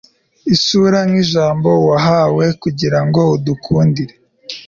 isura, nkijambo, wahawe kugirango udukundire